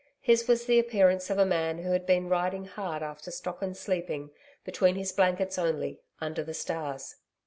His was the appearance of a man who had been riding hard after stock and sleeping, between his blankets only, under the stars.